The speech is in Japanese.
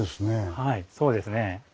はいそうですね。